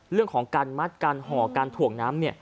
เรื่องของการมัดการห่อการถ่วงน้ำ